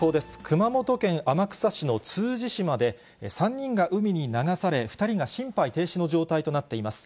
熊本県天草市の通詞島で、３人が海に流され、２人が心肺停止の状態となっています。